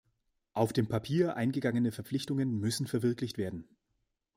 Auf dem Papier eingegangene Verpflichtungen müssen verwirklicht werden.